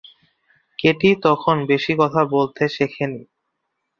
Katie তখন বেশি কথা বলতে শেখে নি।